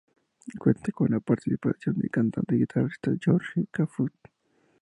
Cuenta con la participación del cantante y guitarrista Jorge Cafrune.